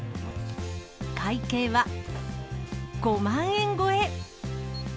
会計は５万円超え。